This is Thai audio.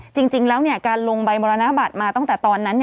จริงแล้วการลงใบมรณบัตรมาตั้งแต่ตอนนั้น